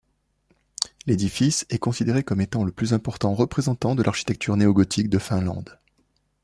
L'édifice est considéré comme étant le plus important représentant de l’architecture néogothique de Finlande.